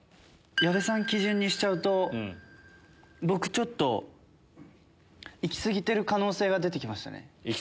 矢部さん基準にしちゃうと僕ちょっといき過ぎてる可能性が出てきましたね。